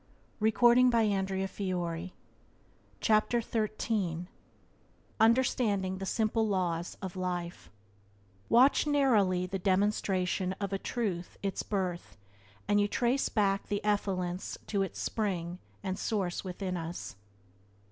Byways to Blessedness by James Allen 63 Understanding the Simple Laws of Life "Watch narrowly The demonstration of a truth, its birth, And you trace back the effluence to its spring And source within us."